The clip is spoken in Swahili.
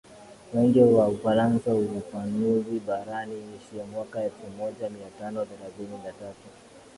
wengi wa UfaransaUpanuzi barani Asia mwaka elfu moja mia tano thelathini na tatu